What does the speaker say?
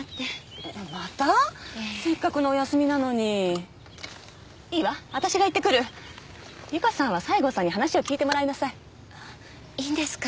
ええせっかくのお休みなのにいいわ私が行ってくる由香さんは西郷さんに話を聞いてもらいなさいいいんですか？